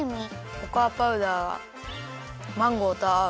ココアパウダーマンゴーとあう。